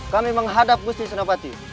kami menghadap gusti senopati